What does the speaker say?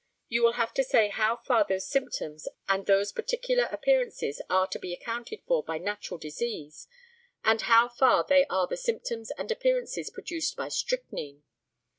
You will have to say how far those symptoms and those appearances are to be accounted for by natural disease, and how far they are the symptoms and appearances produced by strychnine.